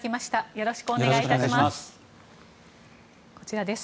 よろしくお願いします。